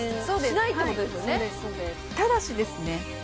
そうですはいただしですね